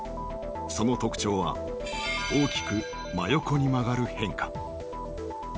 その特徴は大きく真横に曲がる変化。